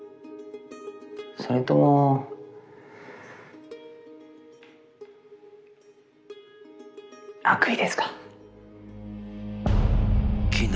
それとも悪意ですか？